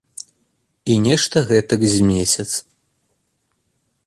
І нешта гэтак з месяц.